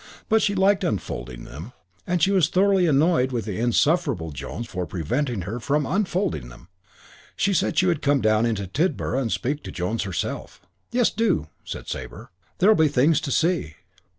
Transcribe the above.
But she liked unfolding them and she was thoroughly annoyed with the insufferable Jones for preventing her from unfolding them. She said she would come down into Tidborough and speak to Jones herself. "Yes, do," said Sabre. "There'll be things to see."